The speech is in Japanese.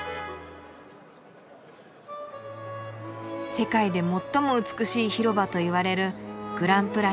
世界で最も美しい広場といわれるグランプラス。